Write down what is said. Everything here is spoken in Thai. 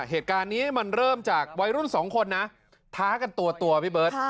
เหตุการณ์นี้มันเริ่มจากวัยรุ่นสองคนนะท้ากันตัวพี่เบิร์ต